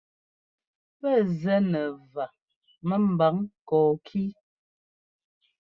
Pɛ́ zɛ́ nɛ vǎ mɛ́mbǎŋ kɔɔkí.